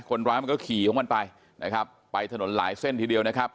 คนร้ายมันก็ขี่ของมันไปนะครับไปถนนหลายเส้นทีเดียวนะครับ